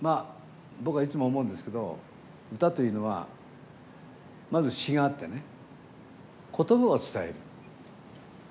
僕はいつも思うんですけど歌というのはまず詞があってね言葉を伝える。